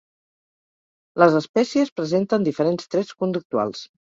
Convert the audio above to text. Les espècies presenten diferents trets conductuals.